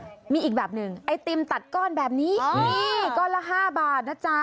มีอีกแบบหนึ่งไอติมตัดก้อนแบบนี้นี่ก้อนละ๕บาทนะจ๊ะ